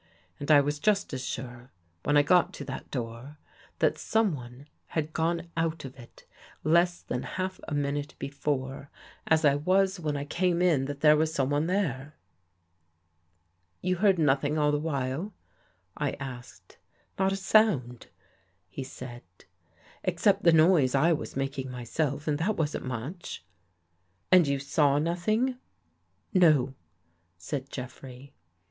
And I was just as sure, when I got to that door, that someone had gone out of It less than half a minute before, as I was when I came In that there was someone there." " You heard nothing all the while? " I asked. " Not a sound," he said, " except the noise I was making myself, and that wasn't much." " And you saw nothing? "" No," said Jeffrey.